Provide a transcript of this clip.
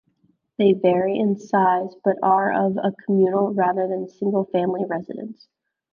They vary in size but are of a communal rather than single-family residence.